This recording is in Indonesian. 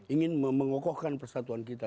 ingin mengokohkan persatuan kita